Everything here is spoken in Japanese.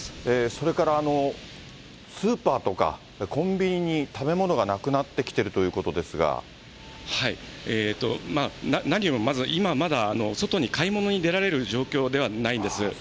それから、スーパーとかコンビニに食べ物がなくなってきてい何よりもまず、今、外に買い物に出られる状況ではないんです。